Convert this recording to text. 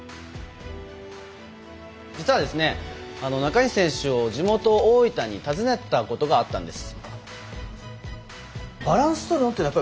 実は中西選手を地元・大分に訪ねたことがあったんです。